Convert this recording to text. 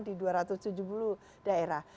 di dua ratus tujuh puluh daerah